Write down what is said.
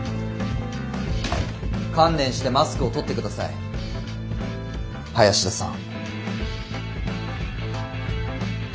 観念してマスクを取って下さい林田さん。